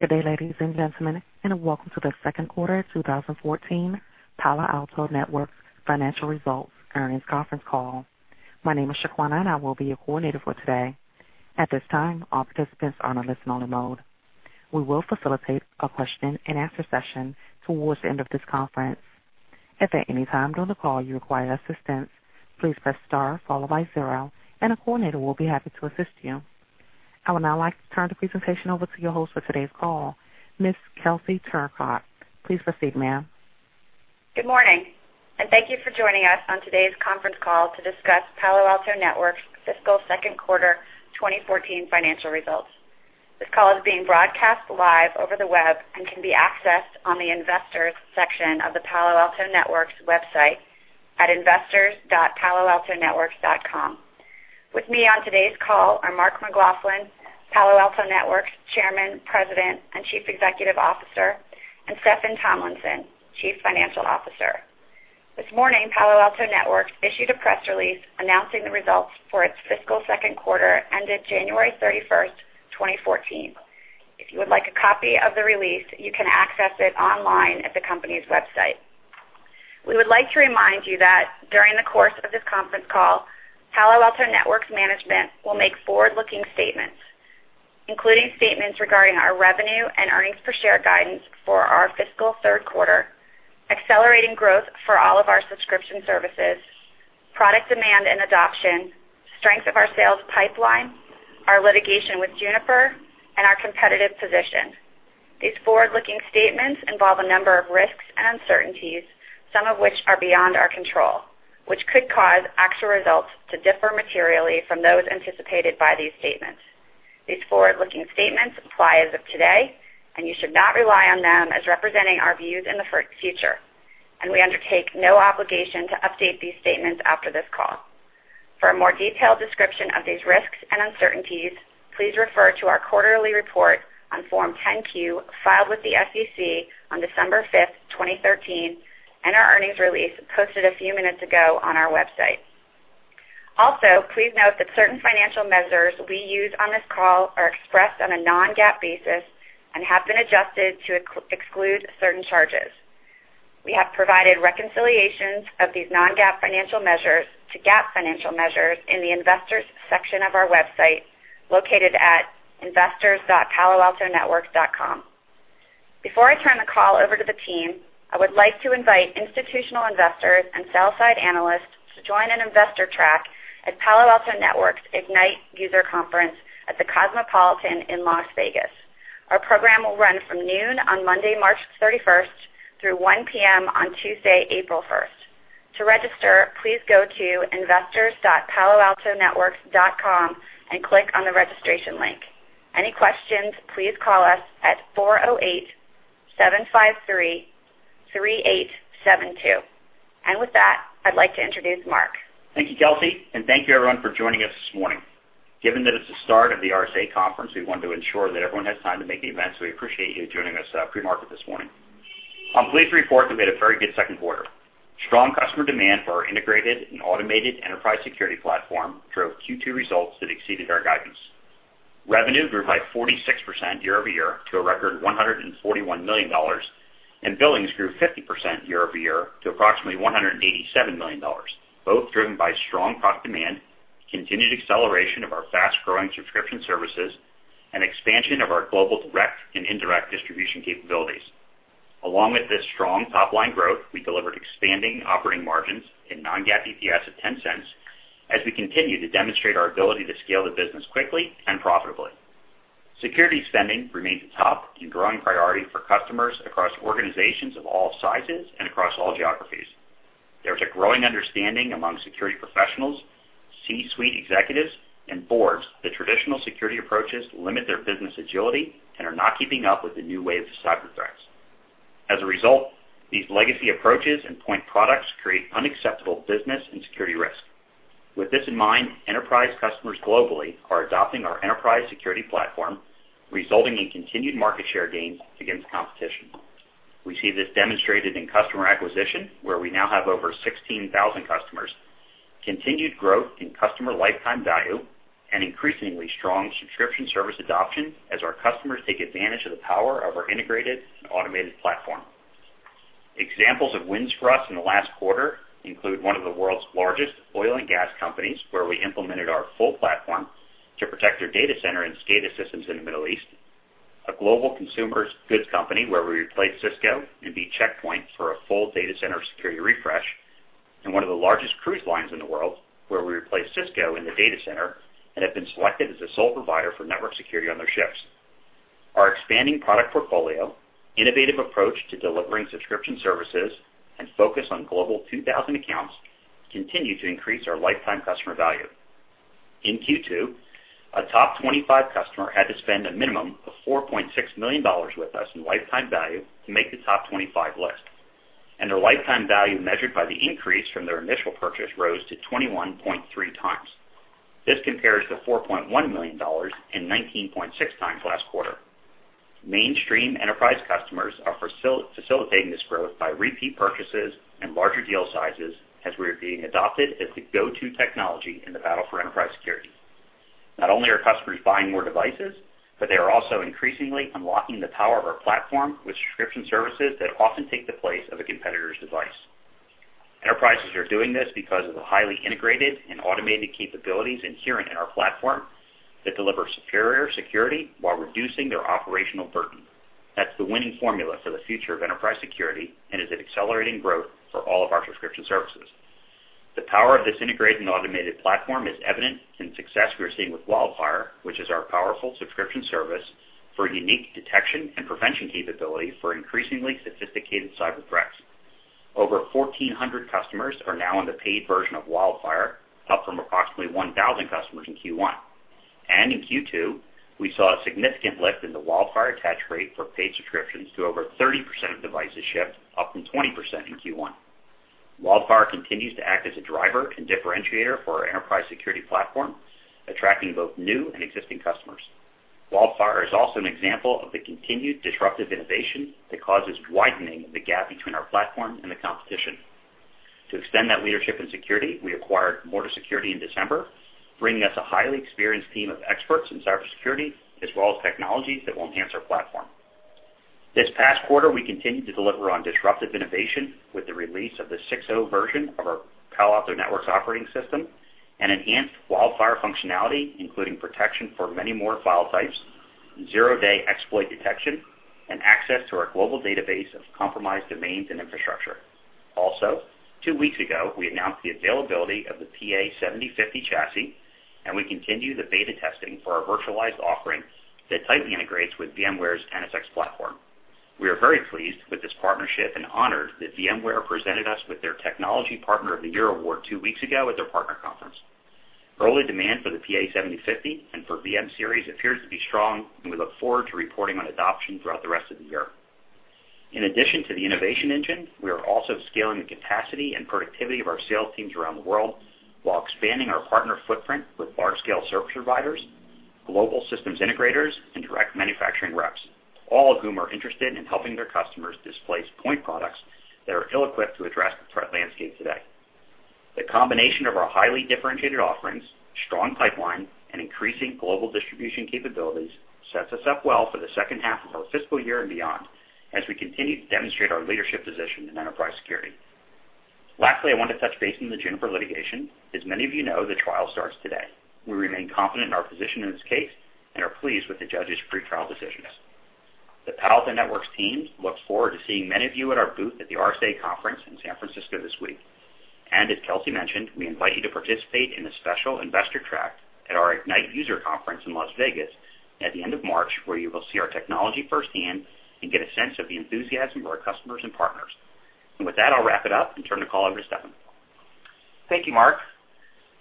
Good day, ladies and gentlemen, welcome to the second quarter 2014 Palo Alto Networks financial results earnings conference call. My name is Shaquana, and I will be your coordinator for today. At this time, all participants are in a listen-only mode. We will facilitate a question and answer session towards the end of this conference. If at any time during the call you require assistance, please press star followed by zero, and a coordinator will be happy to assist you. I would now like to turn the presentation over to your host for today's call, Ms. Kelsey Turcotte. Please proceed, ma'am. Good morning, thank you for joining us on today's conference call to discuss Palo Alto Networks' fiscal second quarter 2014 financial results. This call is being broadcast live over the web and can be accessed on the investors section of the Palo Alto Networks website at investors.paloaltonetworks.com. With me on today's call are Mark McLaughlin, Palo Alto Networks Chairman, President, and Chief Executive Officer, and Steffan Tomlinson, Chief Financial Officer. This morning, Palo Alto Networks issued a press release announcing the results for its fiscal second quarter ended January 31st, 2014. If you would like a copy of the release, you can access it online at the company's website. We would like to remind you that during the course of this conference call, Palo Alto Networks management will make forward-looking statements, including statements regarding our revenue and earnings per share guidance for our fiscal third quarter, accelerating growth for all of our subscription services, product demand and adoption, strength of our sales pipeline, our litigation with Juniper, and our competitive position. These forward-looking statements involve a number of risks and uncertainties, some of which are beyond our control, which could cause actual results to differ materially from those anticipated by these statements. These forward-looking statements apply as of today, you should not rely on them as representing our views in the future. We undertake no obligation to update these statements after this call. For a more detailed description of these risks and uncertainties, please refer to our quarterly report on Form 10-Q filed with the SEC on December 5th, 2013, our earnings release posted a few minutes ago on our website. Also, please note that certain financial measures we use on this call are expressed on a non-GAAP basis and have been adjusted to exclude certain charges. We have provided reconciliations of these non-GAAP financial measures to GAAP financial measures in the investors section of our website, located at investors.paloaltonetworks.com. Before I turn the call over to the team, I would like to invite institutional investors and sell-side analysts to join an investor track at Palo Alto Networks' Ignite User Conference at the Cosmopolitan in Las Vegas. Our program will run from noon on Monday, March 31st, through 1:00 P.M. on Tuesday, April 1st. To register, please go to investors.paloaltonetworks.com and click on the registration link. Any questions, please call us at 408-753-3872. With that, I'd like to introduce Mark. Thank you, Kelsey, and thank you everyone for joining us this morning. Given that it's the start of the RSA Conference, we want to ensure that everyone has time to make the event, so we appreciate you joining us pre-market this morning. I'm pleased to report that we had a very good second quarter. Strong customer demand for our integrated and automated enterprise security platform drove Q2 results that exceeded our guidance. Revenue grew by 46% year-over-year to a record $141 million, and billings grew 50% year-over-year to approximately $187 million, both driven by strong product demand, continued acceleration of our fast-growing subscription services, and expansion of our global direct and indirect distribution capabilities. Along with this strong top-line growth, we delivered expanding operating margins and non-GAAP EPS of $0.10 as we continue to demonstrate our ability to scale the business quickly and profitably. Security spending remains a top and growing priority for customers across organizations of all sizes and across all geographies. There is a growing understanding among security professionals, C-suite executives, and boards that traditional security approaches limit their business agility and are not keeping up with the new wave of cyber threats. As a result, these legacy approaches and point products create unacceptable business and security risk. With this in mind, enterprise customers globally are adopting our enterprise security platform, resulting in continued market share gains against competition. We see this demonstrated in customer acquisition, where we now have over 16,000 customers, continued growth in customer lifetime value, and increasingly strong subscription service adoption as our customers take advantage of the power of our integrated and automated platform. Examples of wins for us in the last quarter include one of the world's largest oil and gas companies, where we implemented our full platform to protect their data center and SCADA systems in the Middle East, a global consumer goods company where we replaced Cisco and beat Check Point for a full data center security refresh, and one of the largest cruise lines in the world, where we replaced Cisco in the data center and have been selected as the sole provider for network security on their ships. Our expanding product portfolio, innovative approach to delivering subscription services, and focus on Global 2000 accounts continue to increase our lifetime customer value. In Q2, a top 25 customer had to spend a minimum of $4.6 million with us in lifetime value to make the top 25 list, and their lifetime value measured by the increase from their initial purchase rose to 21.3 times. This compares to $4.1 million and 19.6 times last quarter. Mainstream enterprise customers are facilitating this growth by repeat purchases and larger deal sizes as we are being adopted as the go-to technology in the battle for enterprise security. Not only are customers buying more devices, but they are also increasingly unlocking the power of our platform with subscription services that often take the place of a competitor's device. Enterprises are doing this because of the highly integrated and automated capabilities inherent in our platform that deliver superior security while reducing their operational burden. That's the winning formula for the future of enterprise security, and is an accelerating growth for all of our subscription services. The power of this integrated and automated platform is evident in success we are seeing with WildFire, which is our powerful subscription service for unique detection and prevention capability for increasingly sophisticated cyber threats. Over 1,400 customers are now on the paid version of WildFire, up from approximately 1,000 customers in Q1. In Q2, we saw a significant lift in the WildFire attach rate for paid subscriptions to over 30% of devices shipped, up from 20% in Q1. WildFire continues to act as a driver and differentiator for our enterprise security platform, attracting both new and existing customers. WildFire is also an example of the continued disruptive innovation that causes widening of the gap between our platform and the competition. To extend that leadership in security, we acquired Morta Security in December, bringing us a highly experienced team of experts in cybersecurity, as well as technologies that will enhance our platform. This past quarter, we continued to deliver on disruptive innovation with the release of the 6.0 version of our Palo Alto Networks operating system, and enhanced WildFire functionality, including protection for many more file types, zero-day exploit detection, and access to our global database of compromised domains and infrastructure. Also, two weeks ago, we announced the availability of the PA-7050 chassis, and we continue the beta testing for our virtualized offering that tightly integrates with VMware's NSX platform. We are very pleased with this partnership and honored that VMware presented us with their Technology Partner of the Year award two weeks ago at their partner conference. Early demand for the PA-7050 and for VM-Series appears to be strong, and we look forward to reporting on adoption throughout the rest of the year. In addition to the innovation engine, we are also scaling the capacity and productivity of our sales teams around the world, while expanding our partner footprint with large-scale service providers, global systems integrators, and direct manufacturing reps, all of whom are interested in helping their customers displace point products that are ill-equipped to address the threat landscape today. The combination of our highly differentiated offerings, strong pipeline, and increasing global distribution capabilities sets us up well for the second half of our fiscal year and beyond as we continue to demonstrate our leadership position in enterprise security. Lastly, I want to touch base on the Juniper litigation. As many of you know, the trial starts today. We remain confident in our position in this case and are pleased with the judge's pretrial decisions. The Palo Alto Networks team looks forward to seeing many of you at our booth at the RSA Conference in San Francisco this week. As Kelsey mentioned, we invite you to participate in a special investor track at our Ignite user conference in Las Vegas at the end of March, where you will see our technology firsthand and get a sense of the enthusiasm for our customers and partners. With that, I'll wrap it up and turn the call over to Steffan. Thank you, Mark.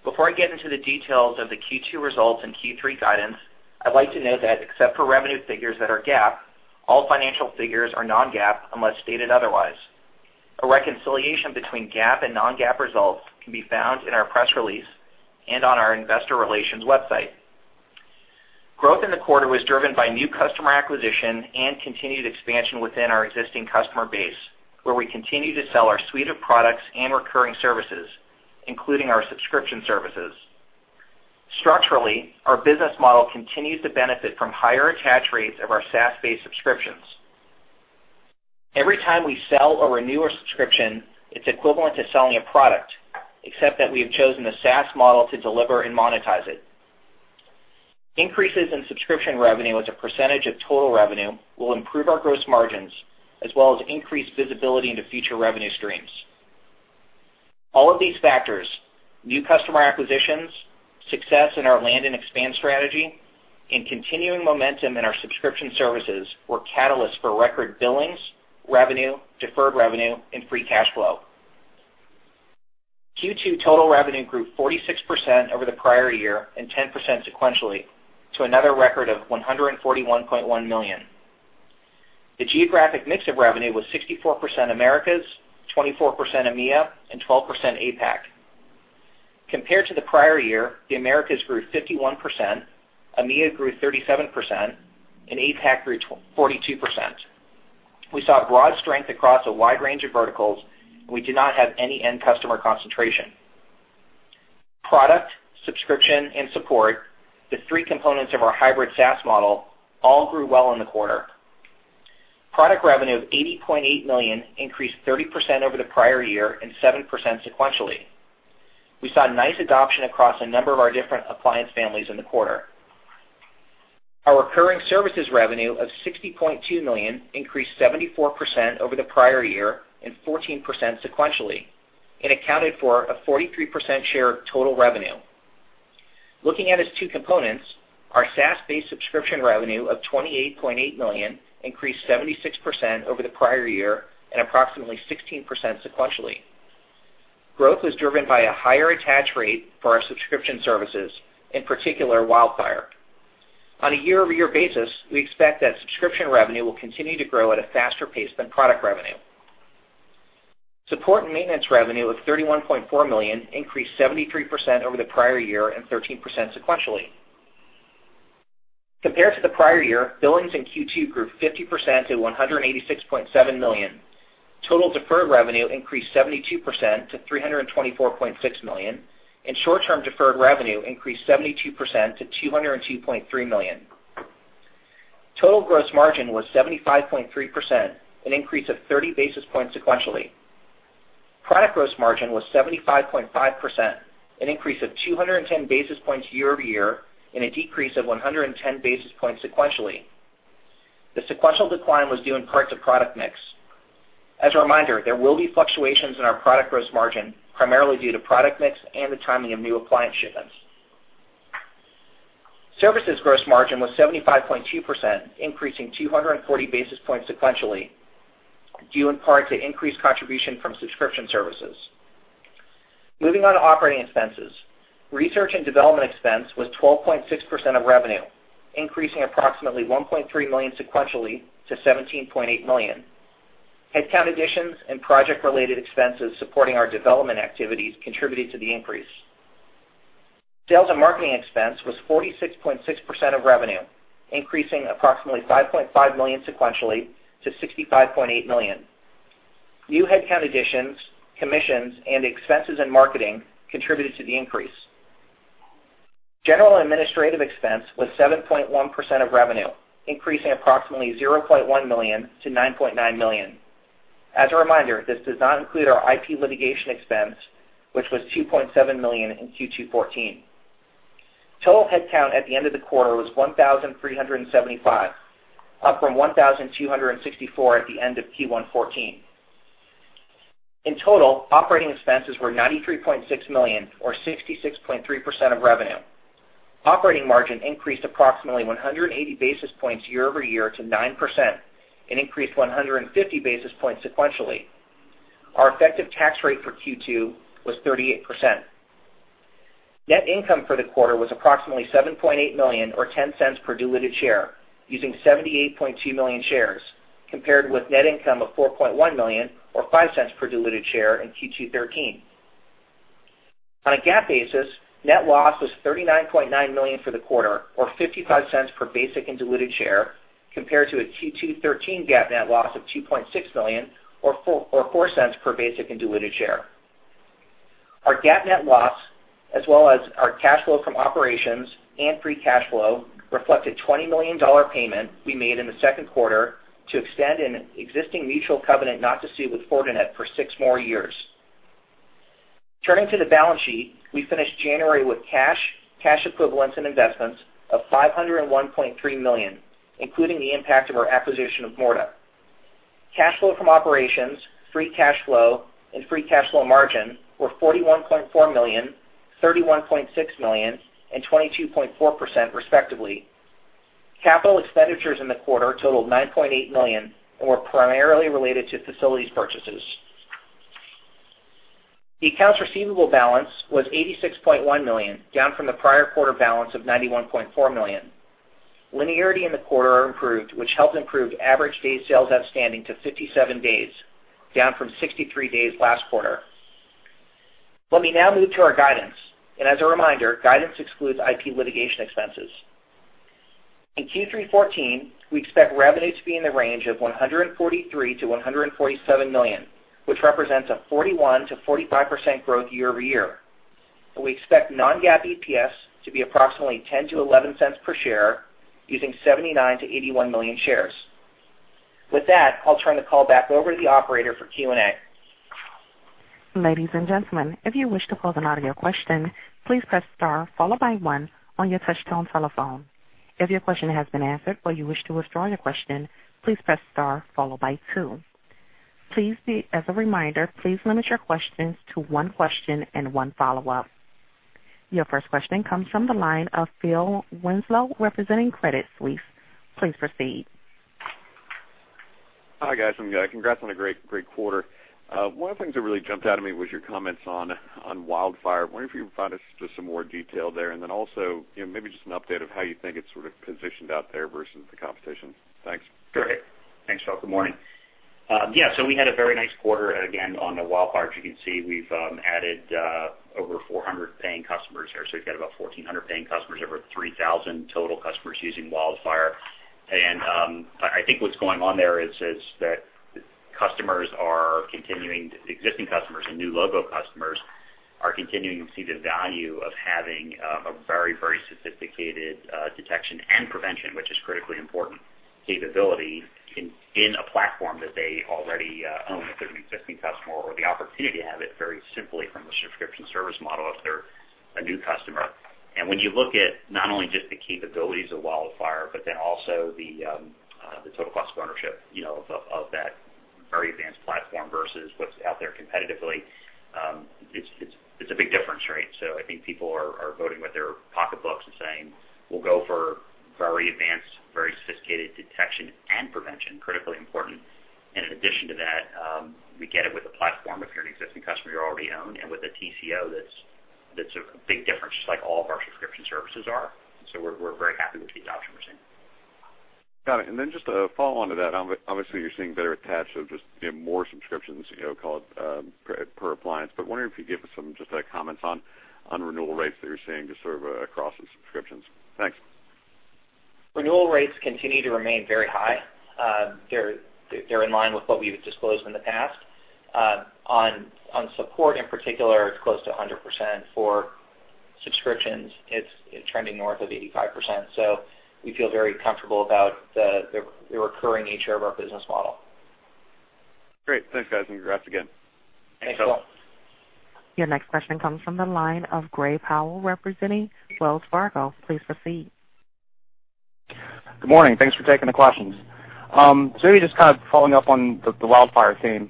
Before I get into the details of the Q2 results and Q3 guidance, I'd like to note that except for revenue figures that are GAAP, all financial figures are non-GAAP unless stated otherwise. A reconciliation between GAAP and non-GAAP results can be found in our press release and on our investor relations website. Growth in the quarter was driven by new customer acquisition and continued expansion within our existing customer base, where we continue to sell our suite of products and recurring services, including our subscription services. Structurally, our business model continues to benefit from higher attach rates of our SaaS-based subscriptions. Every time we sell or renew a subscription, it's equivalent to selling a product, except that we have chosen a SaaS model to deliver and monetize it. Increases in subscription revenue as a percentage of total revenue will improve our gross margins, as well as increase visibility into future revenue streams. All of these factors, new customer acquisitions, success in our land and expand strategy, and continuing momentum in our subscription services, were catalysts for record billings, revenue, deferred revenue, and free cash flow. Q2 total revenue grew 46% over the prior year and 10% sequentially to another record of $141.1 million. The geographic mix of revenue was 64% Americas, 24% EMEA, and 12% APAC. Compared to the prior year, the Americas grew 51%, EMEA grew 37%, and APAC grew 42%. We saw broad strength across a wide range of verticals, and we do not have any end customer concentration. Product, subscription, and support, the three components of our hybrid SaaS model, all grew well in the quarter. Product revenue of $80.8 million increased 30% over the prior year and 7% sequentially. We saw nice adoption across a number of our different appliance families in the quarter. Our recurring services revenue of $60.2 million increased 74% over the prior year and 14% sequentially, and accounted for a 43% share of total revenue. Looking at its two components, our SaaS-based subscription revenue of $28.8 million increased 76% over the prior year and approximately 16% sequentially. Growth was driven by a higher attach rate for our subscription services, in particular WildFire. On a year-over-year basis, we expect that subscription revenue will continue to grow at a faster pace than product revenue. Support and maintenance revenue of $31.4 million increased 73% over the prior year and 13% sequentially. Compared to the prior year, billings in Q2 grew 50% to $186.7 million. Total deferred revenue increased 72% to $324.6 million, and short-term deferred revenue increased 72% to $202.3 million. Total gross margin was 75.3%, an increase of 30 basis points sequentially. Product gross margin was 75.5%, an increase of 210 basis points year over year and a decrease of 110 basis points sequentially. The sequential decline was due in part to product mix. As a reminder, there will be fluctuations in our product gross margin, primarily due to product mix and the timing of new appliance shipments. Services gross margin was 75.2%, increasing 240 basis points sequentially, due in part to increased contribution from subscription services. Moving on to operating expenses. Research and development expense was 12.6% of revenue, increasing approximately $1.3 million sequentially to $17.8 million. Headcount additions and project-related expenses supporting our development activities contributed to the increase. Sales and marketing expense was 46.6% of revenue, increasing approximately $5.5 million sequentially to $65.8 million. New headcount additions, commissions, and expenses in marketing contributed to the increase. General and administrative expense was 7.1% of revenue, increasing approximately $0.1 million to $9.9 million. As a reminder, this does not include our IP litigation expense, which was $2.7 million in Q2 2014. Total headcount at the end of the quarter was 1,375, up from 1,264 at the end of Q1 2014. In total, operating expenses were $93.6 million or 66.3% of revenue. Operating margin increased approximately 180 basis points year over year to 9% and increased 150 basis points sequentially. Our effective tax rate for Q2 was 38%. Net income for the quarter was approximately $7.8 million or $0.10 per diluted share, using 78.2 million shares, compared with net income of $4.1 million or $0.05 per diluted share in Q2 2013. On a GAAP basis, net loss was $39.9 million for the quarter or $0.55 per basic and diluted share compared to a Q2 2013 GAAP net loss of $2.6 million or $0.04 per basic and diluted share. Our GAAP net loss as well as our cash flow from operations and free cash flow reflected a $20 million payment we made in the second quarter to extend an existing mutual covenant not to sue with Fortinet for six more years. Turning to the balance sheet, we finished January with cash equivalents and investments of $501.3 million, including the impact of our acquisition of Morta. Cash flow from operations, free cash flow, and free cash flow margin were $41.4 million, $31.6 million and 22.4%, respectively. Capital expenditures in the quarter totaled $9.8 million and were primarily related to facilities purchases. The accounts receivable balance was $86.1 million, down from the prior quarter balance of $91.4 million. Linearity in the quarter improved, which helped improve average Days Sales Outstanding to 57 days, down from 63 days last quarter. Let me now move to our guidance. As a reminder, guidance excludes IP litigation expenses. In Q3 2014, we expect revenue to be in the range of $143 million to $147 million, which represents a 41%-45% growth year over year. We expect non-GAAP EPS to be approximately $0.10 to $0.11 per share using 79 million to 81 million shares. With that, I'll turn the call back over to the operator for Q&A. Ladies and gentlemen, if you wish to pose an audio question, please press star followed by one on your touch-tone telephone. If your question has been answered or you wish to withdraw your question, please press star followed by two. As a reminder, please limit your questions to one question and one follow-up. Your first question comes from the line of Philip Winslow representing Credit Suisse. Please proceed. Hi, guys. Congrats on a great quarter. One of the things that really jumped out at me was your comments on WildFire. I wonder if you could provide us just some more detail there. Also maybe just an update of how you think it's sort of positioned out there versus the competition. Thanks. Sure. Thanks, Phil. Good morning. We had a very nice quarter. Again, on the WildFire, as you can see, we've added over 400 paying customers there. We've got about 1,400 paying customers, over 3,000 total customers using WildFire. I think what's going on there is that existing customers and new logo customers are continuing to see the value of having a very sophisticated detection and prevention, which is a critically important capability in a platform that they already own if they're an existing customer or the opportunity to have it very simply from a subscription service model if they're a new customer. When you look at not only just the capabilities of WildFire, but also the total cost of ownership of that very advanced platform versus what's out there competitively, it's a big difference, right? I think people are voting with their pocketbooks and saying, "We'll go for very advanced, very sophisticated detection and prevention," critically important. In addition to that, we get it with a platform if you're an existing customer you already own and with a TCO that's a big difference, just like all of our subscription services are. We're very happy with the adoption we're seeing. Got it. Just a follow-on to that. Obviously, you're seeing better attach of just more subscriptions per appliance, wondering if you could give us some just comments on renewal rates that you're seeing just sort of across the subscriptions. Thanks. Renewal rates continue to remain very high. They're in line with what we've disclosed in the past. On support in particular, it's close to 100% for Subscriptions, it's trending north of 85%. We feel very comfortable about the recurring nature of our business model. Great. Thanks, guys, and congrats again. Thanks, Phil. Your next question comes from the line of Gray Powell, representing Wells Fargo. Please proceed. Good morning. Thanks for taking the questions. Really just kind of following up on the WildFire theme.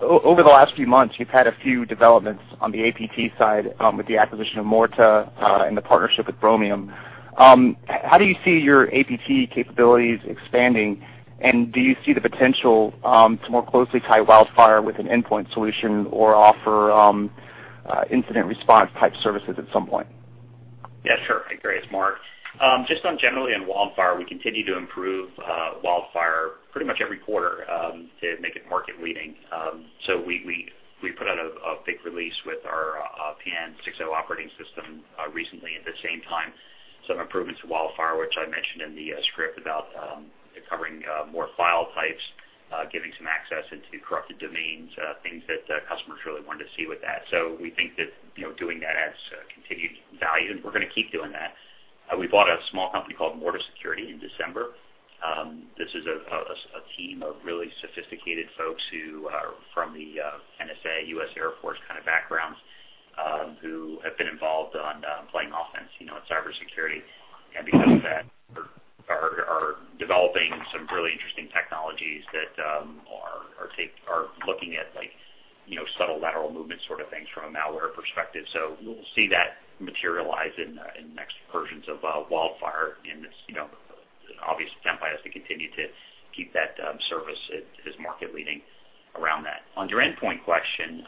Over the last few months, you've had a few developments on the APT side with the acquisition of Morta and the partnership with Bromium. How do you see your APT capabilities expanding, and do you see the potential to more closely tie WildFire with an endpoint solution or offer incident response type services at some point? Yeah, sure. Gray, it's Mark. Just on generally on WildFire, we continue to improve WildFire pretty much every quarter to make it market leading. We put out a big release with our PAN-OS 6.0 operating system recently. At the same time, some improvements to WildFire, which I mentioned in the script about it covering more file types, giving some access into corrupted domains, things that customers really wanted to see with that. We think that doing that adds continued value, and we're going to keep doing that. We bought a small company called Morta Security in December. This is a team of really sophisticated folks who are from the NSA, U.S. Air Force kind of backgrounds who have been involved on playing offense in cybersecurity. Because of that, are developing some really interesting technologies that are looking at subtle lateral movement sort of things from a malware perspective. You'll see that materialize in the next versions of WildFire. Obviously, our plan is to continue to keep that service as market leading around that. On your endpoint question,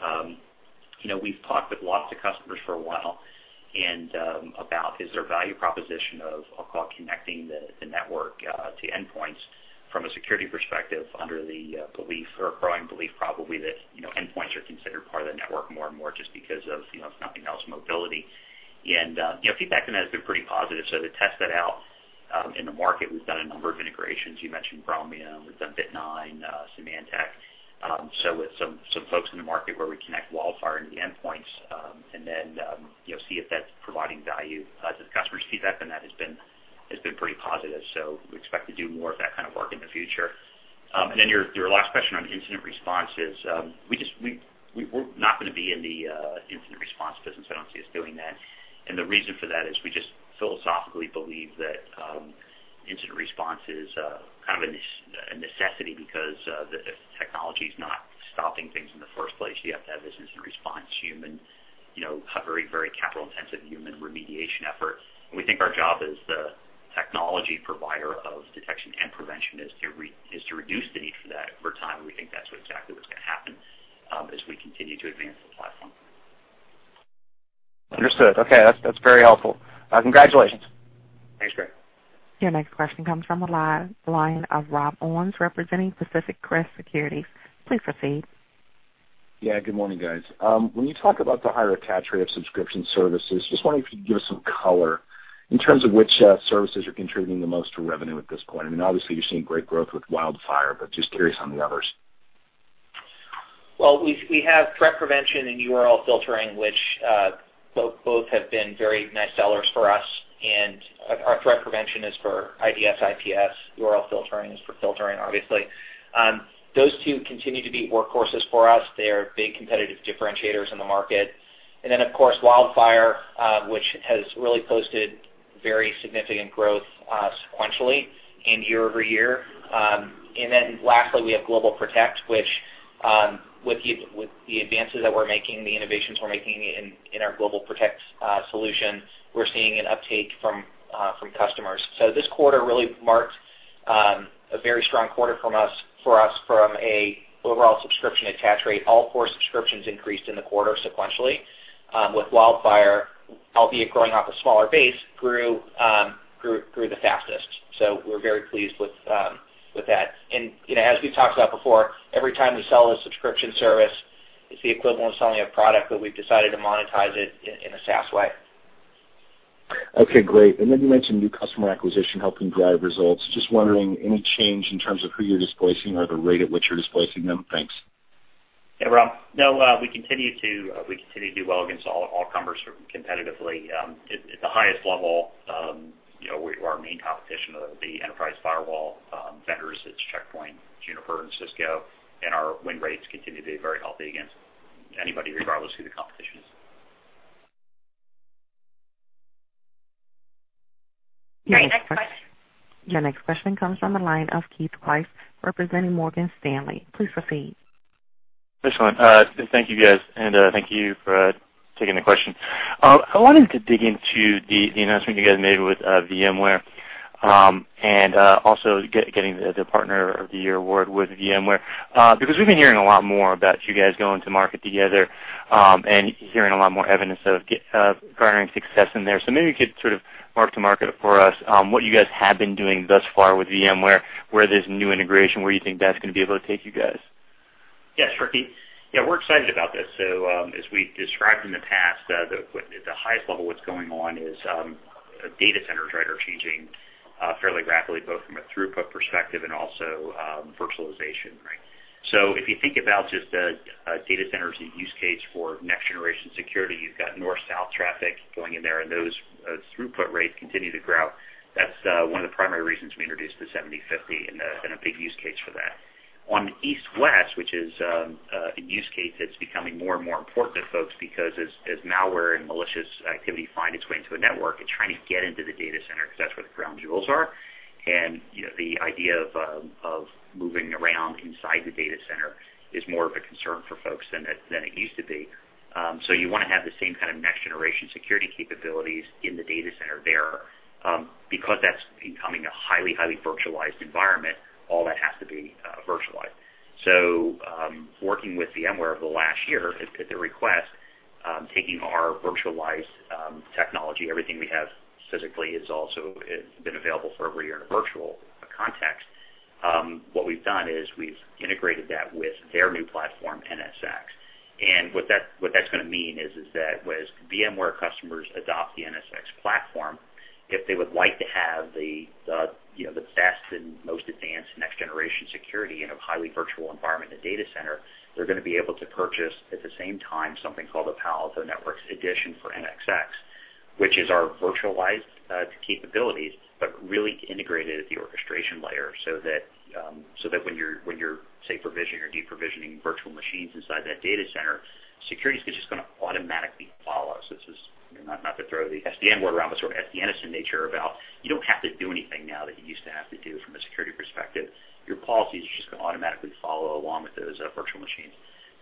we've talked with lots of customers for a while about, is there value proposition of connecting the network to endpoints from a security perspective under the belief or a growing belief probably that endpoints are considered part of the network more and more just because of, if nothing else, mobility. Feedback on that has been pretty positive. To test that out in the market, we've done a number of integrations. You mentioned Bromium. We've done Bit9, Symantec. With some folks in the market where we connect WildFire into the endpoints and then see if that's providing value to the customers. Feedback on that has been pretty positive. We expect to do more of that kind of work in the future. Then your last question on incident response is, we're not going to be in the incident response business. I don't see us doing that. The reason for that is we just philosophically believe that incident response is kind of a necessity because if technology's not stopping things in the first place, you have to have incident response. A very capital-intensive human remediation effort. We think our job as the technology provider of detection and prevention is to reduce the need for that over time, and we think that's exactly what's going to happen as we continue to advance the platform. Understood. Okay. That's very helpful. Congratulations. Thanks, Gray. Your next question comes from the line of Rob Owens, representing Pacific Crest Securities. Please proceed. Yeah. Good morning, guys. When you talk about the higher attach rate of subscription services, just wondering if you could give us some color in terms of which services are contributing the most to revenue at this point. I mean, obviously, you're seeing great growth with WildFire, but just curious on the others. Well, we have threat prevention and URL Filtering, which both have been very nice sellers for us. Our threat prevention is for IDS/IPS. URL Filtering is for filtering, obviously. Those two continue to be workhorses for us. They are big competitive differentiators in the market. Then, of course, WildFire, which has really posted very significant growth sequentially and year-over-year. Then lastly, we have GlobalProtect, which with the advances that we're making, the innovations we're making in our GlobalProtect solution, we're seeing an uptake from customers. This quarter really marked a very strong quarter for us from an overall subscription attach rate. All four subscriptions increased in the quarter sequentially, with WildFire, albeit growing off a smaller base, grew the fastest. We're very pleased with that. As we've talked about before, every time we sell a subscription service, it's the equivalent of selling a product, but we've decided to monetize it in a SaaS way. Okay, great. You mentioned new customer acquisition helping drive results. Just wondering, any change in terms of who you're displacing or the rate at which you're displacing them? Thanks. Yeah, Rob. We continue to do well against all comers competitively. At the highest level our main competition are the enterprise firewall vendors. It's Check Point, Juniper, and Cisco. Our win rates continue to be very healthy against anybody, regardless who the competition is. Your next question comes from the line of Keith Weiss, representing Morgan Stanley. Please proceed. Excellent. Thank you, guys, and thank you for taking the question. I wanted to dig into the announcement you guys made with VMware, and also getting the Partner of the Year award with VMware. We've been hearing a lot more about you guys going to market together, and hearing a lot more evidence of garnering success in there. Maybe you could sort of mark to market for us what you guys have been doing thus far with VMware, where there's new integration, where you think that's going to be able to take you guys. Sure, Keith. We're excited about this. As we described in the past, at the highest level, what's going on is data centers are changing fairly rapidly, both from a throughput perspective and also virtualization, right? If you think about just the data centers use case for next generation security, you've got north-south traffic going in there, and those throughput rates continue to grow. That's one of the primary reasons we introduced the 7050 and been a big use case for that. On east-west, which is a use case that's becoming more and more important to folks because as malware and malicious activity find its way into a network and trying to get into the data center because that's where the crown jewels are. The idea of moving around inside the data center is more of a concern for folks than it used to be. You want to have the same kind of next generation security capabilities in the data center there. That's becoming a highly virtualized environment, all that has to be virtualized. Working with VMware over the last year, at their request, taking our virtualized technology, everything we have physically has also been available for over a year in a virtual context. What we've done is we've integrated that with their new platform, NSX. What that's going to mean is that as VMware customers adopt the NSX platform, if they would like to have the best and most advanced next generation security in a highly virtual environment and data center, they're going to be able to purchase at the same time something called the Palo Alto Networks Edition for NSX, which is our virtualized capabilities, but really integrated at the orchestration layer so that when you're say, provisioning or deprovisioning virtual machines inside that data center, security is just going to automatically follow. This is not to throw the SDN word around, but sort of SDN in nature about you don't have to do anything now that you used to have to do from a security perspective. Your policies are just going to automatically follow along with those virtual machines.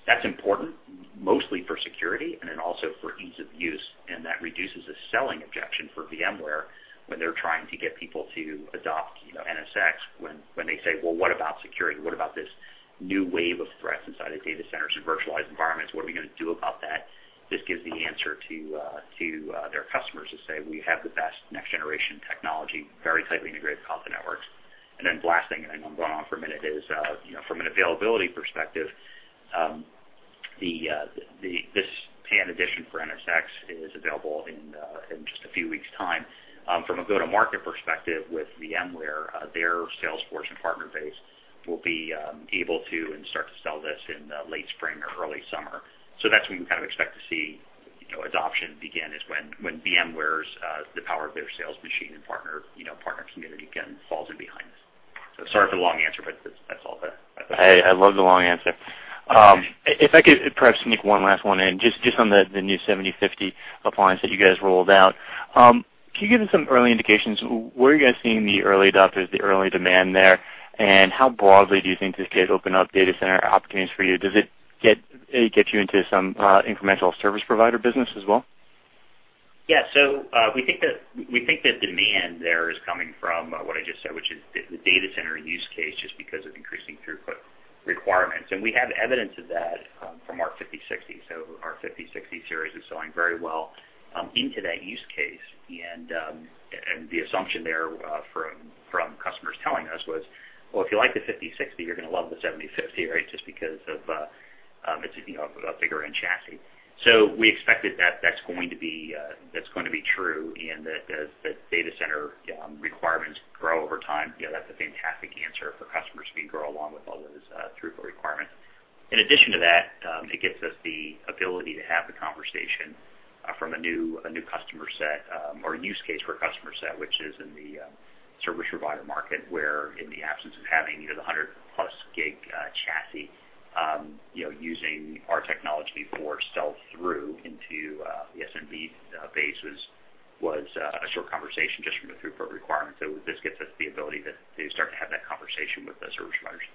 That's important mostly for security and then also for ease of use. That reduces a selling objection for VMware when they're trying to get people to adopt NSX when they say, "Well, what about security? What about this new wave of threats inside of data centers and virtualized environments? What are we going to do about that?" This gives the answer to their customers to say, we have the best next generation technology, very tightly integrated with Palo Alto Networks. The last thing, and I know I'm going on for a minute, is from an availability perspective, this PAN Edition for NSX is available in just a few weeks' time. From a go-to-market perspective with VMware, their sales force and partner base will be able to and start to sell this in late spring or early summer. That's when we kind of expect to see adoption begin, is when VMware's the power of their sales machine and partner community again falls in behind this. Sorry for the long answer. Hey, I love the long answer. If I could perhaps sneak one last one in, just on the new 7050 appliance that you guys rolled out. Can you give us some early indications? Where are you guys seeing the early adopters, the early demand there, and how broadly do you think this could open up data center opportunities for you? Does it get you into some incremental service provider business as well? Yeah. We think that demand there is coming from what I just said, which is the data center use case, just because of increasing throughput requirements. We have evidence of that from our PA-5060. Our PA-5060 series is selling very well into that use case. The assumption there from customers telling us was, well, if you like the PA-5060, you're going to love the 7050, right? Just because of it's a bigger end chassis. We expected that's going to be true and that data center requirements grow over time. That's a fantastic answer for customers to grow along with all those throughput requirements. In addition to that, it gives us the ability to have the conversation from a new customer set or a use case for a customer set, which is in the service provider market, where in the absence of having the 100+ gig chassis using our technology before sell through into the SMB base was a short conversation just from a throughput requirement. This gets us the ability to start to have that conversation with the service providers.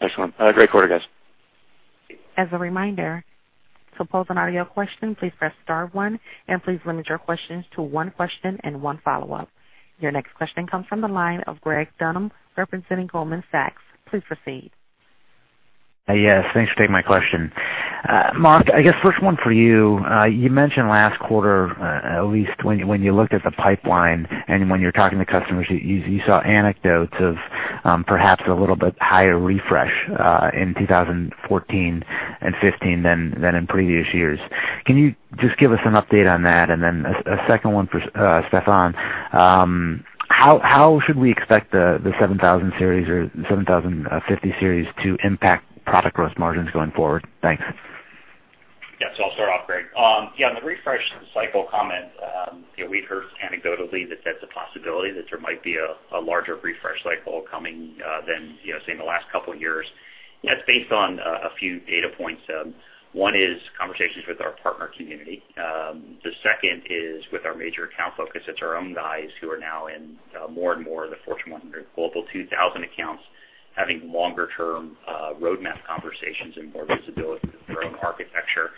Excellent. Great quarter, guys. As a reminder, to pose an audio question, please press star one, and please limit your questions to one question and one follow-up. Your next question comes from the line of Greg Dunham representing Goldman Sachs. Please proceed. Yes, thanks for taking my question. Mark, I guess first one for you. You mentioned last quarter at least when you looked at the pipeline and when you're talking to customers, you saw anecdotes of perhaps a little bit higher refresh in 2014 and 2015 than in previous years. Can you just give us an update on that? And then a second one for Steffan. How should we expect the 7000 series or 7050 series to impact product gross margins going forward? Thanks. Yeah. I'll start off, Greg. Yeah, on the refresh cycle comment, we've heard anecdotally that that's a possibility that there might be a larger refresh cycle coming than say, in the last couple of years. That's based on a few data points. One is conversations with our partner community. The second is with our major account focus. It's our own guys who are now in more and more of the Fortune 100 Global 2000 accounts having longer-term roadmap conversations and more visibility for our own architecture.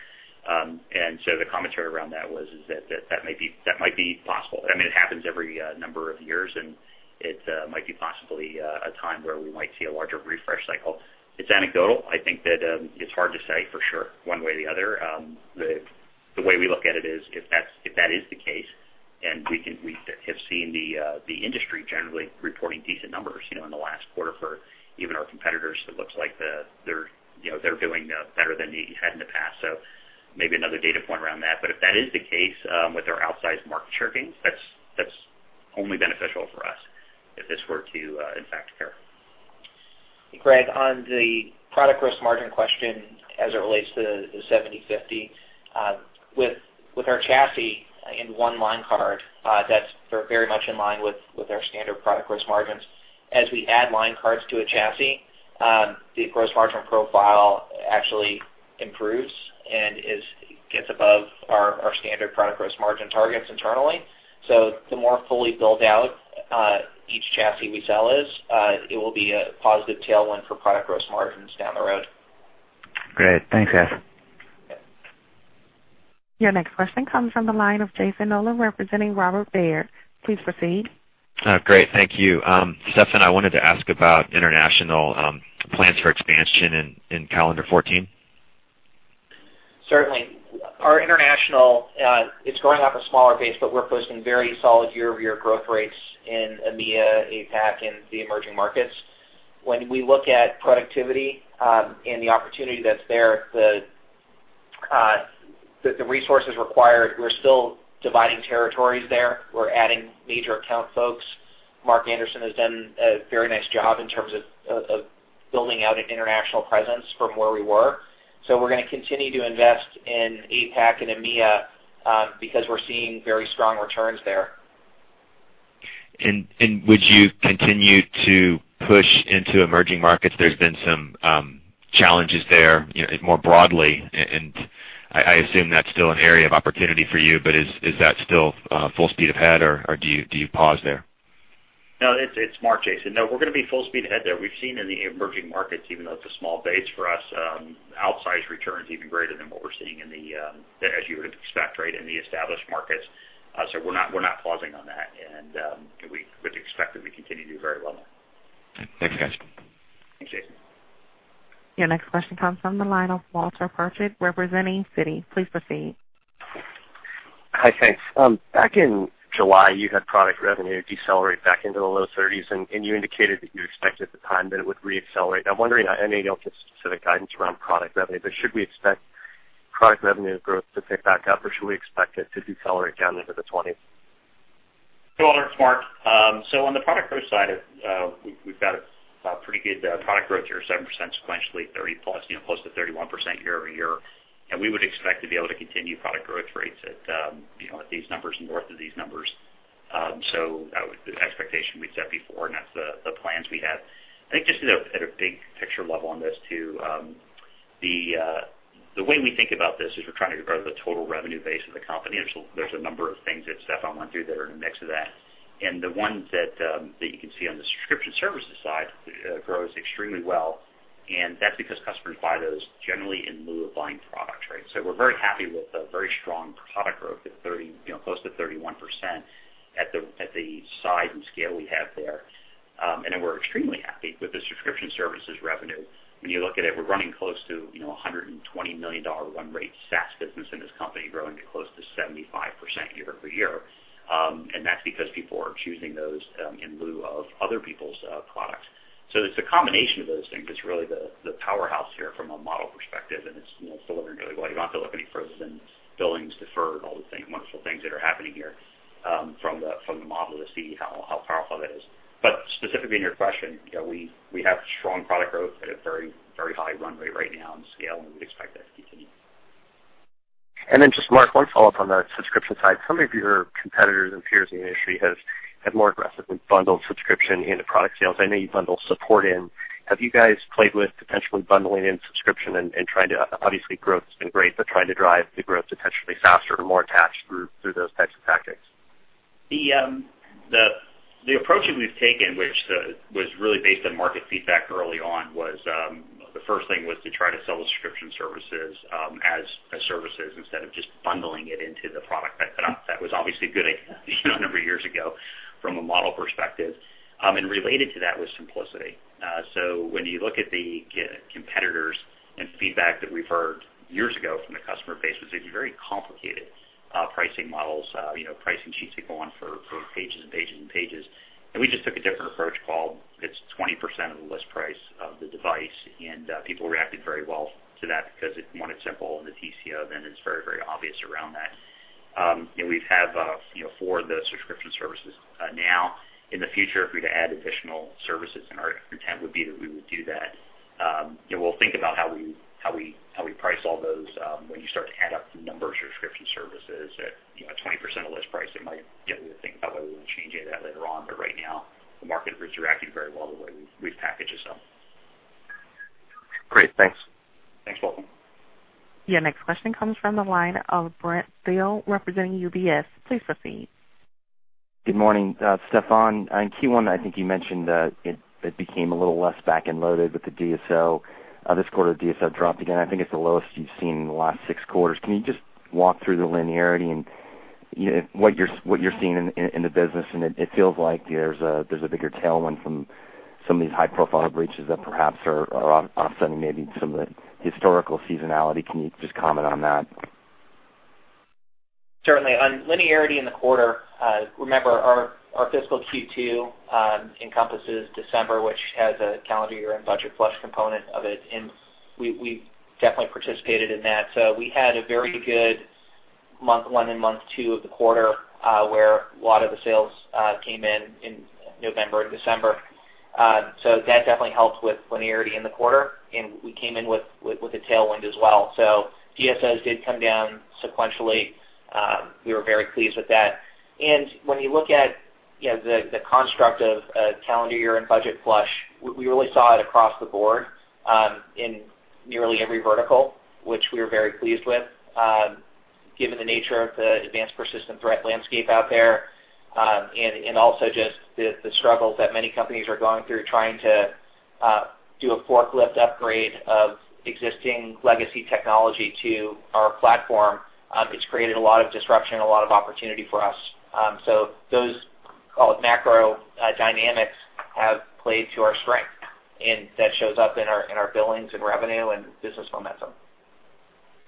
The commentary around that was is that might be possible. I mean, it happens every number of years, and it might be possibly a time where we might see a larger refresh cycle. It's anecdotal. I think that it's hard to say for sure one way or the other. The way we look at it is if that is the case, we have seen the industry generally reporting decent numbers in the last quarter for even our competitors, it looks like they're doing better than we had in the past. Maybe another data point around that. If that is the case with our outsized market share gains, that's only beneficial for us if this were to, in fact, occur. Greg, on the product gross margin question as it relates to the PA-7050, with our chassis in one line card, that's very much in line with our standard product gross margins. As we add line cards to a chassis, the gross margin profile actually improves and gets above our standard product gross margin targets internally. The more fully built out each chassis we sell is, it will be a positive tailwind for product gross margins down the road. Great. Thanks, guys. Your next question comes from the line of Jayson Noland representing Robert Baird. Please proceed. Great. Thank you. Steffan, I wanted to ask about international plans for expansion in calendar 2014. Certainly. Our international, it's growing off a smaller base, but we're posting very solid year-over-year growth rates in EMEA, APAC, and the emerging markets. When we look at productivity and the opportunity that's there, the resources required, we're still dividing territories there. We're adding major account folks. Mark Anderson has done a very nice job in terms of building out an international presence from where we were. We're going to continue to invest in APAC and EMEA because we're seeing very strong returns there. Would you continue to push into emerging markets? There's been some challenges there more broadly, I assume that's still an area of opportunity for you, is that still full speed ahead, or do you pause there? No, it's Mark, Jayson. We're going to be full speed ahead there. We've seen in the emerging markets, even though it's a small base for us, outsized returns even greater than what we're seeing, as you would expect, in the established markets. We're not pausing on that, we would expect that we continue to do very well there. Thanks, guys. Thanks, Jayson. Your next question comes from the line of Walter Pritchard representing Citi. Please proceed. Hi, thanks. Back in July, you had product revenue decelerate back into the low 30s, and you indicated that you expected at the time that it would re-accelerate. I'm wondering, I know you don't give specific guidance around product revenue, but should we expect product revenue growth to pick back up, or should we expect it to decelerate down into the 20s? Hey, Walter. It's Mark. On the product growth side, we've got a pretty good product growth here, 7% sequentially, 30+, close to 31% year-over-year. We would expect to be able to continue product growth rates at these numbers, north of these numbers. The expectation we'd set before, and that's the plans we have. I think just at a big picture level on this, too. The way we think about this is we're trying to grow the total revenue base of the company. There's a number of things that Steffan went through that are in the mix of that. The ones that you can see on the subscription services side grows extremely well, and that's because customers buy those generally in lieu of buying products. We're very happy with the very strong product growth at close to 31% at the size and scale we have there. We're extremely happy with the subscription services revenue. When you look at it, we're running close to a $120 million run rate SaaS business in this company, growing to close to 75% year-over-year. That's because people are choosing those in lieu of other people's products. It's a combination of those things that's really the powerhouse here from a model perspective, and it's delivering really well. You don't have to look any further than billings deferred, all the wonderful things that are happening here from the model to see how powerful that is. Specifically in your question, we have strong product growth at a very high run rate right now and scale, and we expect that to continue. Just, Mark, one follow-up on the subscription side. Some of your competitors and peers in the industry have more aggressively bundled subscription into product sales. I know you bundle support in. Have you guys played with potentially bundling in subscription and trying to, obviously, growth has been great, but trying to drive the growth potentially faster or more attached through those types of tactics? The approach that we've taken, which was really based on market feedback early on, the first thing was to try to sell the subscription services as services instead of just bundling it into the product. That was obviously a good idea a number of years ago from a model perspective. Related to that was simplicity. When you look at the competitors and feedback that we've heard years ago from the customer base was it was very complicated pricing models, pricing sheets that go on for pages and pages and pages. We just took a different approach called it's 20% of the list price of the device, and people reacted very well to that because they want it simple and the TCO then is very obvious around that. We have four of the subscription services now. In the future, if we're to add additional services, our intent would be that we would do that, we'll think about how we price all those. When you start to add up the numbers subscription services at 20% of list price, we would think about whether we want to change any of that later on. Right now, the market has reacted very well to the way we've packaged this up. Great. Thanks. Thanks, Walter. Your next question comes from the line of Brent Thill representing UBS. Please proceed. Good morning. Steffan, in Q1, I think you mentioned that it became a little less back-end loaded with the DSO. This quarter, DSO dropped again. I think it's the lowest you've seen in the last six quarters. Can you just walk through the linearity and what you're seeing in the business? It feels like there's a bigger tailwind from some of these high-profile breaches that perhaps are offsetting maybe some of the historical seasonality. Can you just comment on that? Certainly. On linearity in the quarter, remember our fiscal Q2 encompasses December, which has a calendar year and budget flush component of it, we definitely participated in that. We had a very good month one and month two of the quarter, where a lot of the sales came in November and December. That definitely helped with linearity in the quarter, and we came in with a tailwind as well. DSO did come down sequentially. We were very pleased with that. When you look at the construct of calendar year and budget flush, we really saw it across the board in nearly every vertical, which we were very pleased with, given the nature of the Advanced Persistent Threat landscape out there. Also just the struggles that many companies are going through, trying to do a forklift upgrade of existing legacy technology to our platform. It's created a lot of disruption, a lot of opportunity for us. Those call it macro dynamics have played to our strength, and that shows up in our billings and revenue and business momentum.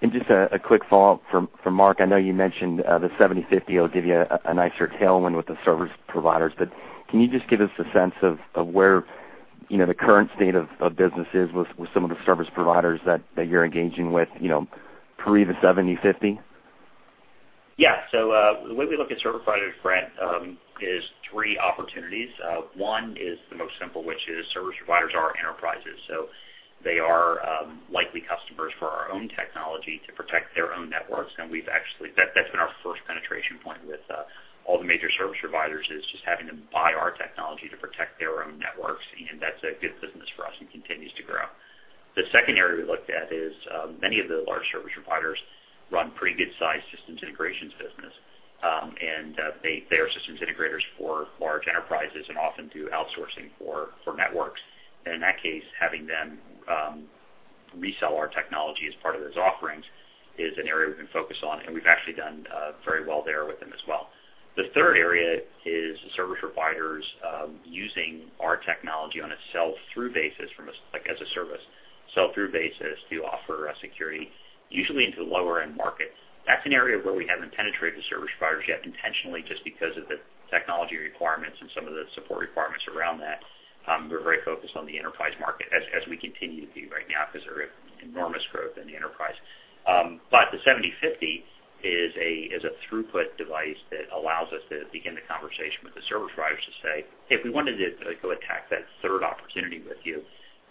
Just a quick follow-up from Mark. I know you mentioned the 7050, it'll give you a nicer tailwind with the service providers. Can you just give us a sense of where the current state of business is with some of the service providers that you're engaging with pre the 7050? The way we look at service providers, Brent, is three opportunities. One is the most simple, which is service providers are enterprises, so they are likely customers for our own technology to protect their own networks. That's been our first penetration point with all the major service providers, is just having them buy our technology to protect their own networks. That's a good business for us and continues to grow. The second area we looked at is many of the large service providers run pretty good-sized systems integrations business. They are systems integrators for large enterprises and often do outsourcing for networks. In that case, having them resell our technology as part of those offerings is an area we can focus on. We've actually done very well there with them as well. The third area is the service providers using our technology on a sell-through basis, like as a service sell-through basis to offer security, usually into lower end markets. That's an area where we haven't penetrated the service providers yet intentionally, just because of the technology requirements and some of the support requirements around that. We're very focused on the enterprise market as we continue to be right now because there is enormous growth in the enterprise. The 7050 is a throughput device that allows us to begin the conversation with the service providers to say, "Hey, we wanted to go attack that third opportunity with you.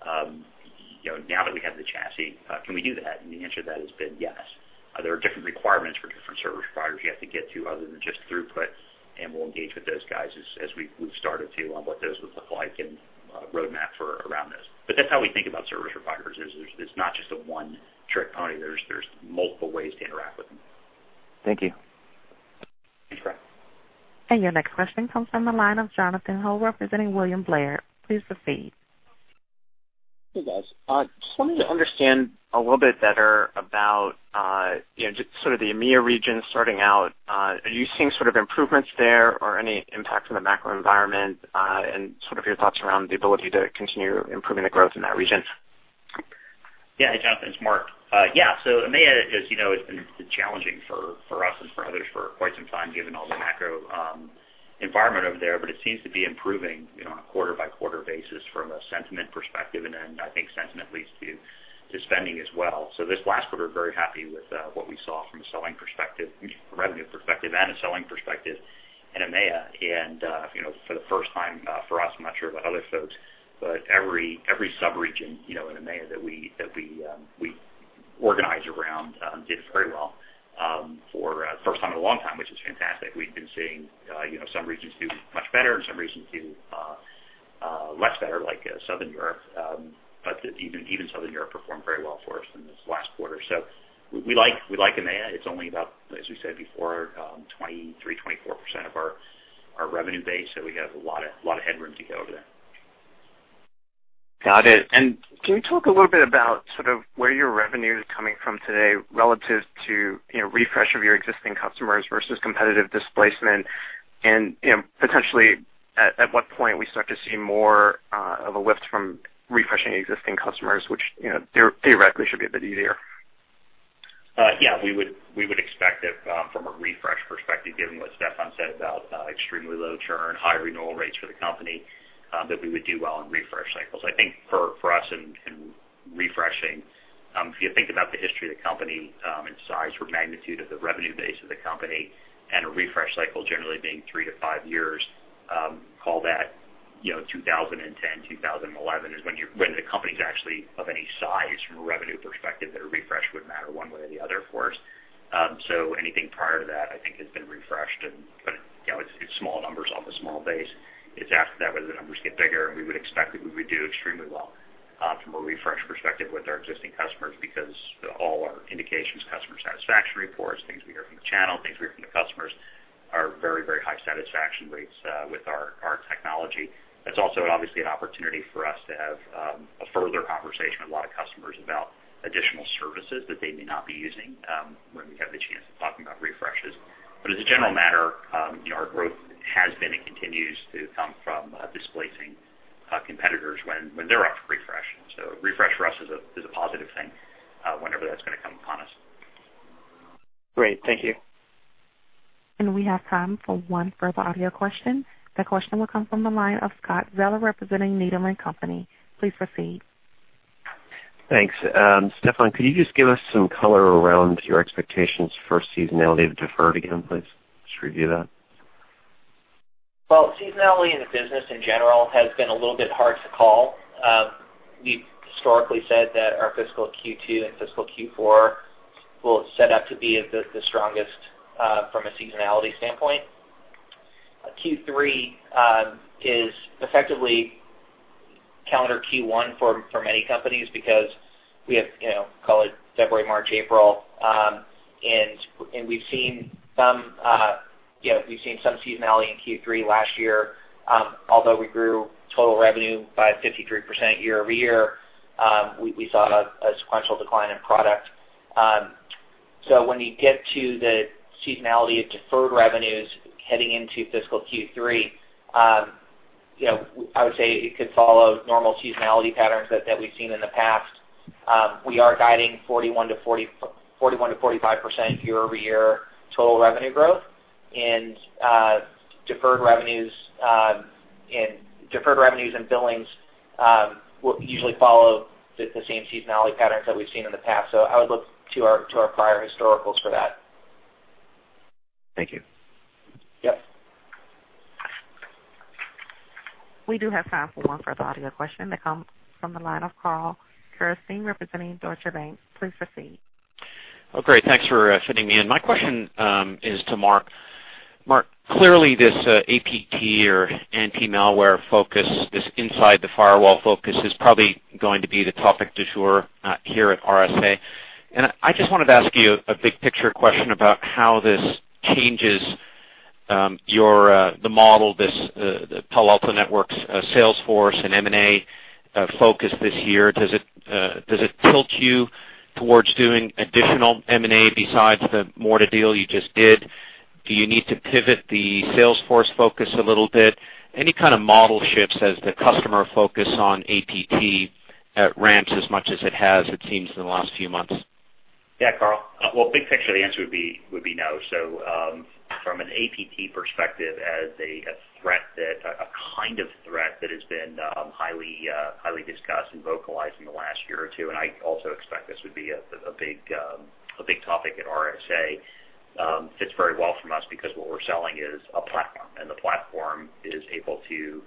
Now that we have the chassis, can we do that?" The answer to that has been yes. There are different requirements for different service providers you have to get to other than just throughput. We'll engage with those guys as we've started to on what those would look like and a roadmap for around this. That's how we think about service providers, is it's not just a one trick pony. There's multiple ways to interact with them. Thank you. Thanks, Brent. Your next question comes from the line of Jonathan Ho, representing William Blair. Please proceed. Hey, guys. Just want me to understand a little bit better about the EMEA region starting out. Are you seeing sort of improvements there or any impact from the macro environment and sort of your thoughts around the ability to continue improving the growth in that region? Yeah. Jonathan, it's Mark. Yeah. EMEA, as you know, has been challenging for us and for others for quite some time, given all the macro environment over there. It seems to be improving on a quarter-by-quarter basis from a sentiment perspective. I think sentiment leads to spending as well. This last quarter, very happy with what we saw from a selling perspective, revenue perspective, and a selling perspective in EMEA. For the first time for us, I'm not sure about other folks, but every sub-region in EMEA that we organize around did very well for first time in a long time, which is fantastic. We've been seeing some regions do much better and some regions do less better, like Southern Europe. Even Southern Europe performed very well for us in this last quarter. We like EMEA. It's only about, as we said before, 23%, 24% of our revenue base. We got a lot of headroom to go over there. Got it. Can you talk a little bit about sort of where your revenue is coming from today relative to refresh of your existing customers versus competitive displacement and potentially at what point we start to see more of a lift from refreshing existing customers, which theoretically should be a bit easier. Yeah. We would expect that from a refresh perspective, given what Steffan said about extremely low churn, high renewal rates for the company, that we would do well in refresh cycles. I think for us in refreshing, if you think about the history of the company and size or magnitude of the revenue base of the company and a refresh cycle generally being three to five years, call that 2010, 2011 is when the company's actually of any size from a revenue perspective that a refresh would matter one way or the other for us. Anything prior to that I think has been refreshed, but it's small numbers off a small base. It's after that where the numbers get bigger, and we would expect that we would do extremely well from a refresh perspective with our existing customers because all our indications, customer satisfaction reports, things we hear from the channel, things we hear from the customers are very high satisfaction rates with our technology. That's also obviously an opportunity for us to have a further conversation with a lot of customers about additional services that they may not be using when we have the chance of talking about refreshes. But as a general matter our growth has been and continues to come from displacing competitors when they're up for refresh. Refresh for us is a positive thing whenever that's going to come upon us. Great. Thank you. We have time for one further audio question. That question will come from the line of Scott Zeller, representing Needham & Company. Please proceed. Thanks. Steffan, could you just give us some color around your expectations for seasonality of deferred again, please? Just review that. Well, seasonality in the business in general has been a little bit hard to call. We've historically said that our fiscal Q2 and fiscal Q4 will set up to be the strongest from a seasonality standpoint. Q3 is effectively calendar Q1 for many companies because we have, call it February, March, April. We've seen some seasonality in Q3 last year. Although we grew total revenue by 53% year-over-year, we saw a sequential decline in product. When you get to the seasonality of deferred revenues heading into fiscal Q3, I would say it could follow normal seasonality patterns that we've seen in the past. We are guiding 41%-45% year-over-year total revenue growth and deferred revenues and billings will usually follow the same seasonality patterns that we've seen in the past. I would look to our prior historicals for that. Thank you. Yep. We do have time for one further audio question that comes from the line of Karl Keirstead representing Deutsche Bank. Please proceed. Great. Thanks for fitting me in. My question is to Mark. Mark, clearly this APT or anti-malware focus, this inside the firewall focus, is probably going to be the topic du jour here at RSA Security. I just wanted to ask you a big picture question about how this changes the model, this Palo Alto Networks sales force and M&A focus this year. Does it tilt you towards doing additional M&A besides the Morta Security deal you just did? Do you need to pivot the sales force focus a little bit? Any kind of model shifts as the customer focus on APT ramps as much as it has, it seems, in the last few months? Karl. Big picture, the answer would be no. From an APT perspective, as a kind of threat that has been highly discussed and vocalized in the last year or two, I also expect this would be a big topic at RSA Security, fits very well from us because what we're selling is a platform. The platform is able to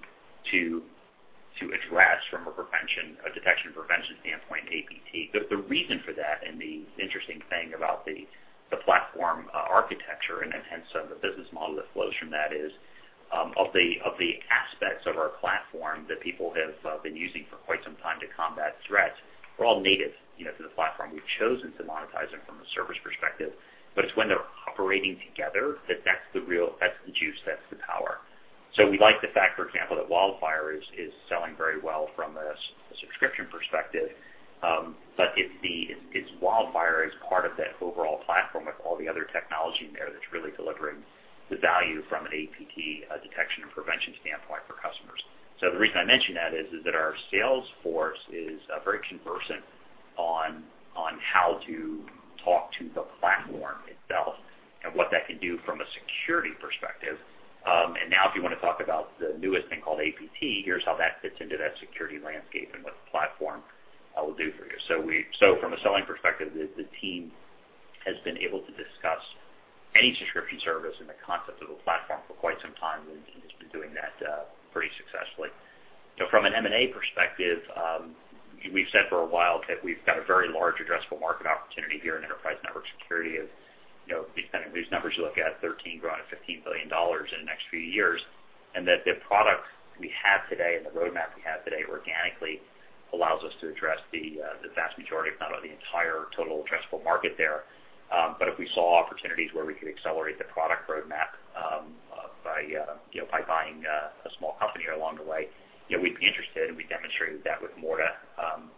address from a detection prevention standpoint, APT. The reason for that, the interesting thing about the platform architecture and hence the business model that flows from that is, of the aspects of our platform that people have been using for quite some time to combat threats are all native to the platform. We've chosen to monetize them from a service perspective. It's when they're operating together that that's the juice, that's the power. We like the fact, for example, that WildFire is selling very well from a subscription perspective. It's WildFire as part of that overall platform with all the other technology in there that's really delivering the value from an APT detection and prevention standpoint for customers. The reason I mention that is that our sales force is very conversant on how to talk to the platform itself and what that can do from a security perspective. Now if you want to talk about the newest thing called APT, here's how that fits into that security landscape and what the platform will do for you. From a selling perspective, the team has been able to discuss any subscription service in the concept of a platform for quite some time, and the team has been doing that pretty successfully. From an M&A perspective, we've said for a while that we've got a very large addressable market opportunity here in enterprise network security of, depending whose numbers you look at, $13 billion-$15 billion in the next few years. That the products we have today and the roadmap we have today organically allows us to address the vast majority, if not the entire total addressable market there. If we saw opportunities where we could accelerate the product roadmap by buying a small company along the way, we'd be interested, and we demonstrated that with Morta,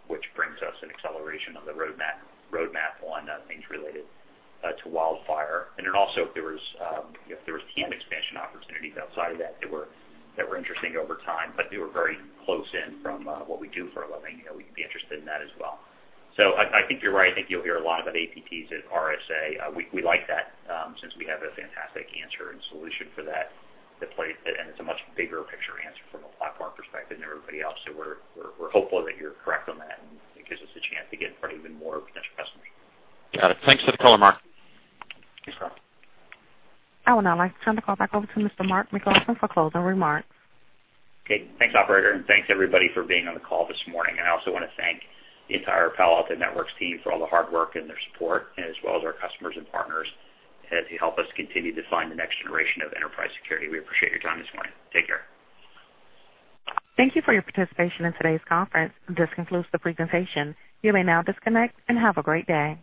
which brings us an acceleration of the roadmap on things related to WildFire. Also if there was TAM expansion opportunities outside of that were interesting over time, but they were very close in from what we do for a living, we'd be interested in that as well. I think you're right. I think you'll hear a lot about APTs at RSA. We like that since we have a fantastic answer and solution for that, and it's a much bigger picture answer from a platform perspective than everybody else. We're hopeful that you're correct on that, and it gives us a chance to get in front of even more potential customers. Got it. Thanks for the color, Mark. Thanks, Karl. I would now like to turn the call back over to Mr. Mark McLaughlin for closing remarks. Okay. Thanks, operator. Thanks everybody for being on the call this morning. I also want to thank the entire Palo Alto Networks team for all the hard work and their support, as well as our customers and partners as you help us continue to define the next generation of enterprise security. We appreciate your time this morning. Take care. Thank you for your participation in today's conference. This concludes the presentation. You may now disconnect and have a great day.